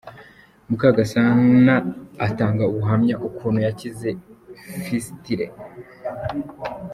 Mukagasana atanga ubuhamya ukuntu yakize fisitile.